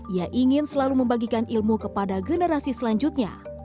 ia ingin selalu membagikan ilmu kepada generasi selanjutnya